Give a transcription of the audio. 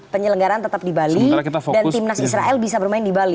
penyelenggaran tetap di bali dan timnas israel bisa bermain di bali